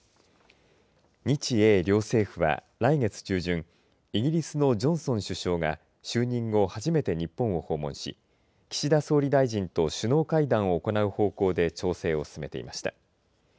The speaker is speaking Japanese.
日英両政府は来月中旬イギリスのジョンソン首相が就任後、初めて日本を訪問し岸田総理大臣と首脳会談を行う方向で調整を進めていました。